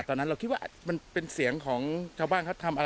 ตอนนั้นเราคิดว่ามันเป็นเสียงของชาวบ้านเขาทำอะไร